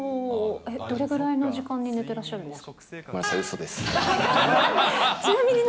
どれぐらいの時間に寝てらっしゃるんですか？